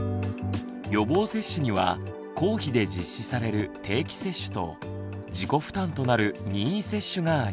予防接種には公費で実施される「定期接種」と自己負担となる「任意接種」があります。